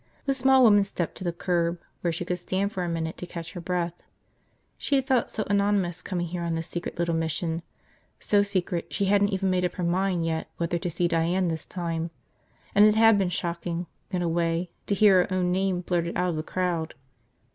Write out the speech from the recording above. The small woman stepped to the curb where she could stand for a minute to catch her breath. She had felt so anonymous, coming here on this secret little mission – so secret she hadn't even made up her mind yet whether to see Diane this time – and it had been shocking, in a way, to hear her own name blurted out of the crowd.